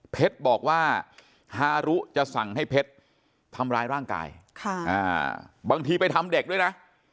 บอกว่าฮารุจะสั่งให้เพชรทำร้ายร่างกายบางทีไปทำเด็กด้วยนะ